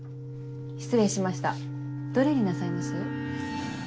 失礼しましたどれになさいます？